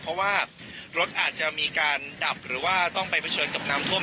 เพราะว่ารถอาจจะมีการดับหรือว่าต้องไปเผชิญกับน้ำท่วม